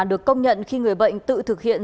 được công nhận khi người bệnh tự thực hiện